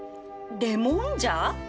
「レモンじゃ」